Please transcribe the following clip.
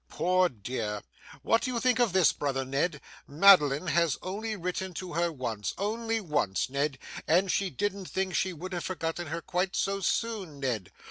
'Poor dear! what do you think of this, brother Ned? Madeline has only written to her once, only once, Ned, and she didn't think she would have forgotten her quite so soon, Ned.